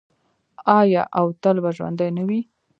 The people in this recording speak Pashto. آیا او تل به ژوندی نه وي؟